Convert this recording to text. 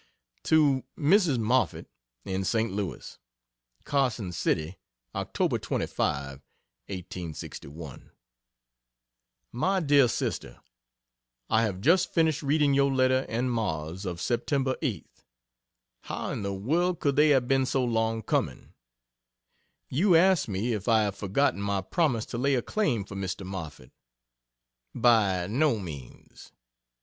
To Mrs. Moffett, in St. Louis: CARSON CITY, Oct. 25, 1861. MY DEAR SISTER, I have just finished reading your letter and Ma's of Sept. 8th. How in the world could they have been so long coming? You ask me if I have for gotten my promise to lay a claim for Mr. Moffett. By no means.